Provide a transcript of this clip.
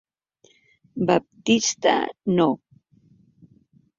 Baptista no...